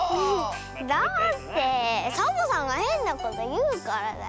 だってサボさんがへんなこというからだよ。